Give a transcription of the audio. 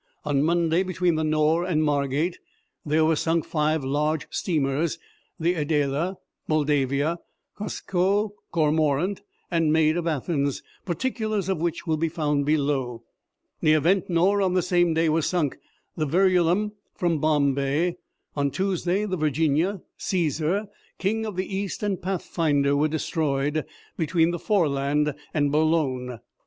On Monday, between the Nore and Margate, there were sunk five large steamers, the Adela, Moldavia, Cusco, Cormorant, and Maid of Athens, particulars of which will be found below. Near Ventnor, on the same day, was sunk the Verulam, from Bombay. On Tuesday the Virginia, Caesar, King of the East, and Pathfinder were destroyed between the Foreland and Boulogne.